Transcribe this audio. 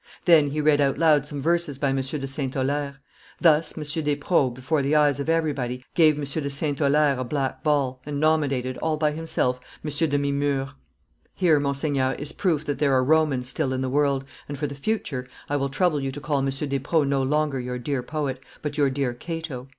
Then he read out loud some verses by M. de St. Aulaire. ... Thus M. Despreaux, before the eyes of everybody, gave M. de St. Aulaire a black ball, and nominated, all by himself, M. de Mimeure. Here, monseigneur, is proof that there are Romans still in the world, and, for the future, I will trouble you to call M. Despreaux no longer your dear poet, but your dear Cato."